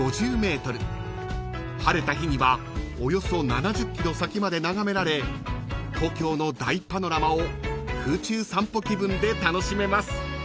［晴れた日にはおよそ７０ｋｍ先まで眺められ東京の大パノラマを空中散歩気分で楽しめます］